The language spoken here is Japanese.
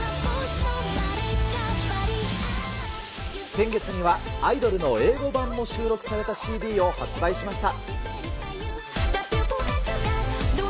先月にはアイドルの英語版も収録されたＣＤを発売しました。